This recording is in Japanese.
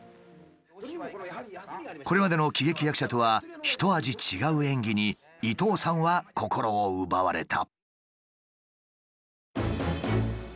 これまでの喜劇役者とはひと味違う演技に伊東さんは心を奪われた。